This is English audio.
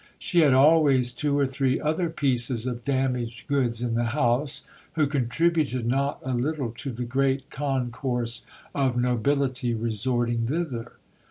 She had always two or three other pieces of damaged goods in the house, who contributed not a little to the great concourse of nobility resorting thither.